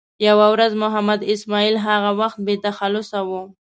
یوه ورځ محمد اسماعیل هغه وخت بې تخلصه و.